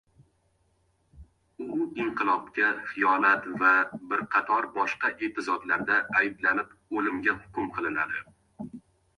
. U inqilobga hiyonat va bir qator boshqa epizodlarda ayblanib oʻlimga hukm qilinadi.